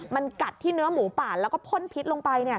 มันกัดที่เนื้อหมูป่าแล้วก็พ่นพิษลงไป